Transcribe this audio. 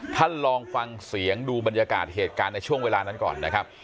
ลองฟังเสียงดูบรรยากาศเหตุการณ์ในช่วงเวลานั้นก่อนนะครับ